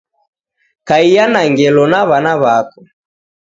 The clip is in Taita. Kaiya na ngelo na wana wako